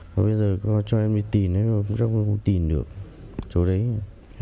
và bây giờ có cho em đi tìm chắc em cũng tìm được chỗ đấy